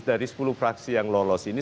semua fraksi dari sepuluh fraksi yang lolos ini